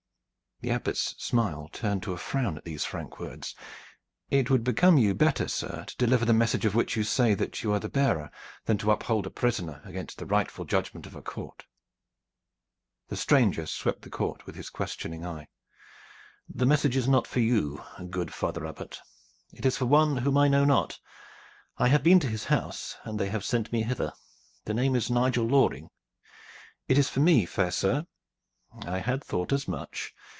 The Abbot's smile turned to a frown at these frank words. "It would become you better, sir, to deliver the message of which you say that you are the bearer, than to uphold a prisoner against the rightful judgment of a court." The stranger swept the court with his questioning eye. "The message is not for you, good father Abbot. It is for one whom I know not. I have been to his house, and they have sent me hither. The name is Nigel Loring." "It is for me, fair sir." "I had thought as much.